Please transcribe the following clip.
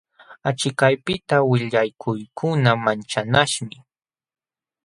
Achikaypiqta willakuykuna manchanaśhmi.